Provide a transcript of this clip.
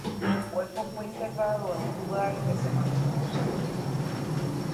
Su cuerpo fue enterrado en un lugar que se mantuvo secreto.